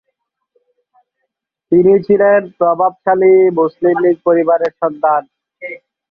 তিনি ছিলেন প্রভাবশালী মুসলিম লীগ পরিবারের সন্তান।